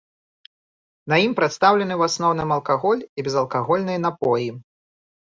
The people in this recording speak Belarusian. На ім прадстаўлены ў асноўным алкаголь і безалкагольныя напоі.